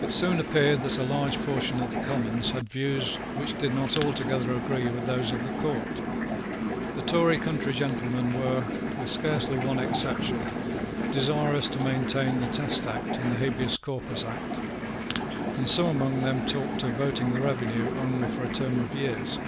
It soon appeared that a large portion of the Commons had views which did not altogether agree with those of the Court. The Tory country gentlemen were, with scarcely one exception, desirous to maintain the Test Act and the Habeas Corpus Act; and some among them talked of voting the revenue only for a term of years.